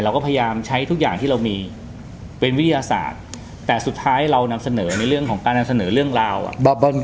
เราก็พยายามใช้ทุกอย่างที่เรามีเป็นวิทยาศาสตร์แต่สุดท้ายเรานำเสนอในเรื่องของการนำเสนอเรื่องราวอ่ะ